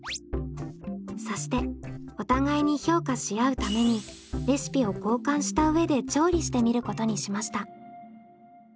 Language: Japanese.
そしてお互いに評価し合うためにレシピを交換した上で調理してみることにしました。